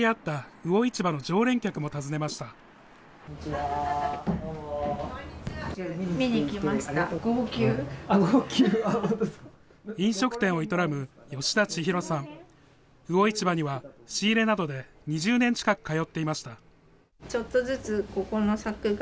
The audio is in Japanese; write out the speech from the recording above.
魚市場には仕入れなどで２０年近く通っていました。